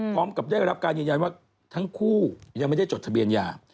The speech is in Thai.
พร้อมกับได้รับการยืนยันว่าทั้งคู่ยังไม่ได้จดทะเบียนหย่า